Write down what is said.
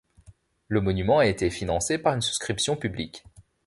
Le monument a été financé par une souscription publique.